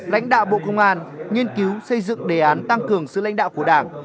lãnh đạo bộ công an nghiên cứu xây dựng đề án tăng cường sự lãnh đạo của đảng